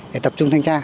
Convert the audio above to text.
để tập trung thanh tra